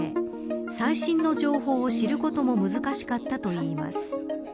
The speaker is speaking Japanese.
最新の情報を知ることも難しかったといいます。